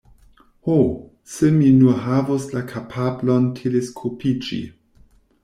Ho, se mi nur havus la kapablon teleskopiĝi.